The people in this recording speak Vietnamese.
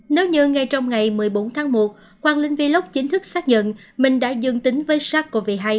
nếu như ngay trong ngày một mươi bốn tháng một quang linh vlock chính thức xác nhận mình đã dương tính với sars cov hai